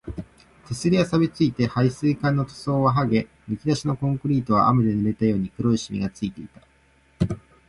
手すりは錆ついて、配水管の塗装ははげ、むき出しのコンクリートは雨で濡れたように黒いしみがついていた